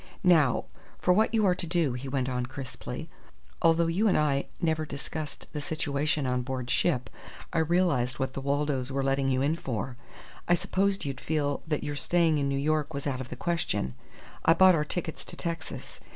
"Now, for what you are to do," he went on, crisply. "Although you and I never discussed the situation on board ship, I realized what the Waldos were letting you in for. I supposed you'd feel that your staying in New York was out of the question. I bought our tickets to Texas.